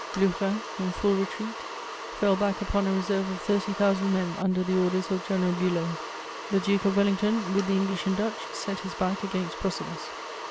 Blücher, in full retreat, fell back upon a reserve of thirty thousand men under the orders of General Bülow; the Duke of Wellington, with the English and Dutch, set his back against Brussels.